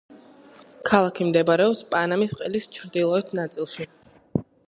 ქალაქი მდებარეობს პანამის ყელის ჩრდილოეთ ნაწილში.